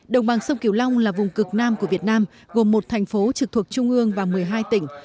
đồng bằng sông kiều long là vùng cực nam của việt nam gồm một thành phố trực thuộc trung ương và một mươi hai tỉnh